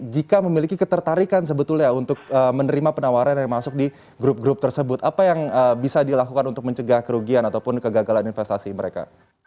jika memiliki ketertarikan sebetulnya untuk menerima penawaran yang masuk di grup grup tersebut apa yang bisa dilakukan untuk mencegah kerugian ataupun kegagalan investasi mereka